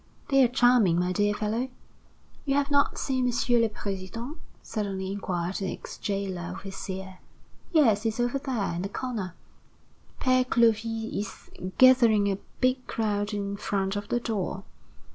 "They are charming, my dear fellow." "You have not seen M. le President?" suddenly inquired the ex jailer overseer. "Yes, he is over there, in the corner." "Père Clovis is gathering a big crowd in front of the door."